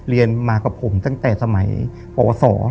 เรียนมากับผมตั้งแต่สมัยปวส